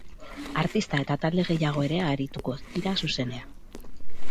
Artista eta talde gehiago ere arituko dira zuzenean.